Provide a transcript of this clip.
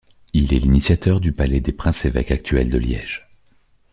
Il est l'initiateur du palais des princes-évêques actuel de Liège.